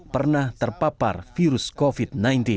pernah terpapar virus covid sembilan belas